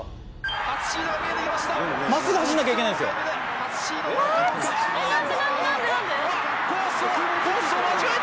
真っすぐ走んなきゃいけないんですよ。コースを。